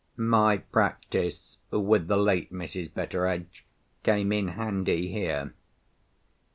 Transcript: My practice with the late Mrs. Betteredge came in handy here.